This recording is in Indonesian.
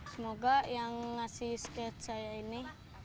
semoga yang memberi skate saya ini